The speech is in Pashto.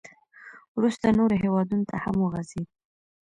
• وروسته نورو هېوادونو ته هم وغځېد.